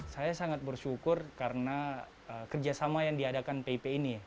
saya sangat bersyukur karena kerjasama yang diadakan pip ini